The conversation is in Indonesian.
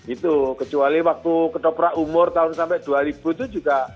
itu kecuali waktu ketoprak umur tahun sampai dua ribu itu juga